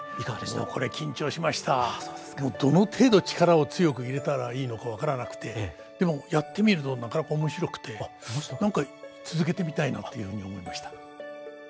どの程度力を強く入れたらいいのか分からなくてでもやってみるとなかなか面白くてなんか続けてみたいなというふうに思いました。